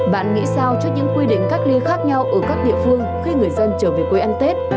bạn nghĩ sao cho những quy định cách ly khác nhau ở các địa phương khi người dân trở về quê ăn tết